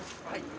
はい。